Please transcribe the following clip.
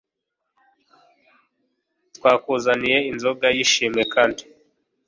twakuzaniye inzoga yishimwe kandi